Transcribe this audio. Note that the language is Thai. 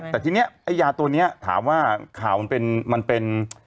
แต่ทีนี้ไอ้ยาตัวนี้ถามว่าข่าวมันเป็น